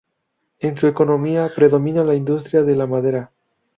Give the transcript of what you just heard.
En su economía predomina la industria de la madera.